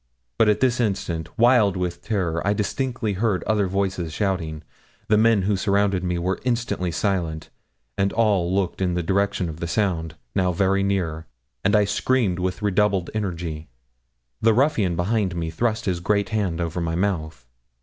But at this instant, wild with terror, I distinctly heard other voices shouting. The men who surrounded me were instantly silent, and all looked in the direction of the sound, now very near, and I screamed with redoubled energy. The ruffian behind me thrust his great hand over my mouth.